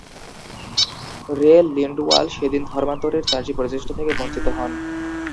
রে লিন্ডওয়াল সেদিন ধর্মান্তরের চারটি প্রচেষ্টা থেকে বঞ্চিত হন।